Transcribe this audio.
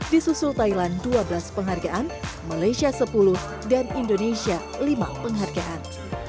disusul thailand dua belas penghargaan malaysia sepuluh dan indonesia lima penghargaan